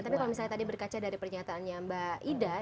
tapi kalau misalnya tadi berkaca dari pernyataannya mbak ida